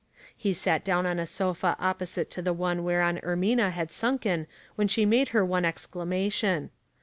He sat down on a sofa opposite to the one whereon Er mina had sunken when she made her one excla mation.